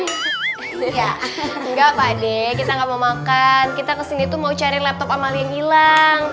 iya enggak pakde kita gak mau makan kita kesini tuh mau cari laptop amalia yang hilang